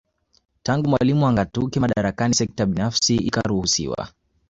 Tangu Mwalimu angatuke madaraka Sekta binafsi ikaruhusiwa